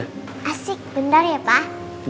asik bener ya pak